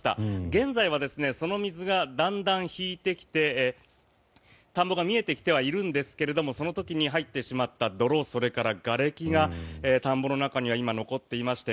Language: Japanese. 現在はその水がだんだん引いてきて田んぼが見えてきてはいるんですがその時に入ってしまった泥、それからがれきが田んぼの中には今、残っていまして